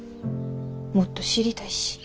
もっと知りたいし。